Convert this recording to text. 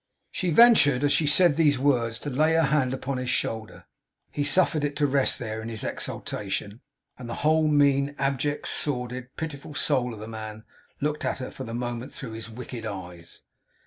She ventured, as she said these words, to lay her hand upon his shoulder. He suffered it to rest there, in his exultation; and the whole mean, abject, sordid, pitiful soul of the man, looked at her, for the moment, through his wicked eyes.